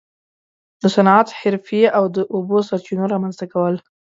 د صنعت، حرفې او د اوبو سرچینو رامنځته کول.